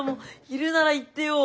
いるなら言ってよ。